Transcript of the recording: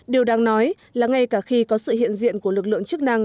điều đáng nói là ngay cả khi có sự hiện diện của lực lượng chức năng